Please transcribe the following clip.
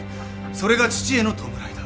それが父への弔いだ。